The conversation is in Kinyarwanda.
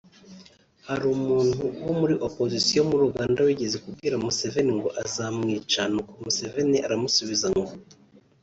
Hari Umuntu wo muri Oposition muri Uganda wigeze kubwira Museveni ngo azamwica n’uko Museveni aramusubiza ngo